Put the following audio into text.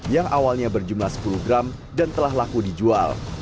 yang awalnya berjumlah sepuluh gram dan telah laku dijual